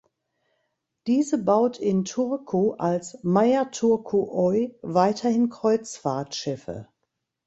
Diese baut in Turku als "Meyer Turku Oy" weiterhin Kreuzfahrtschiffe.